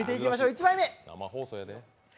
１枚目。